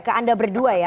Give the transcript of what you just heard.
ke anda berdua ya